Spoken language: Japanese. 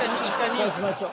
そうしましょう。